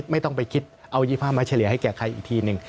ไม่ต้องไปคิดเอา๒๕มาเฉลี่ยให้แก่ใครอีกทีหนึ่ง